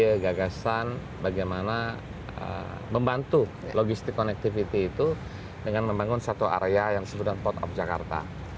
ada ide gagasan bagaimana membantu logistik connectivity itu dengan membangun satu area yang disebut port of jakarta